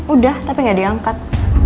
udah tapi ga diangkat